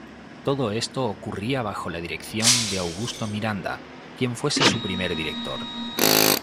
Todo esto ocurría bajo la dirección de Augusto Miranda, quien fuese su primer director.